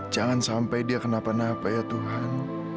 jangan sampai dia kenapa napa ya tuhan